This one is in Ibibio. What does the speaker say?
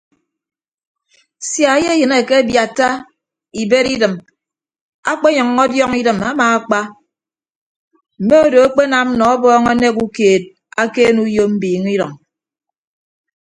Sia eyeyịn akebiatta ibed idịm akpenyʌññọ ọdiọñ idịm amaakpa mme odo akpenam nọ ọbọọñ anek ukeed akeene uyo mbiiñe idʌñ.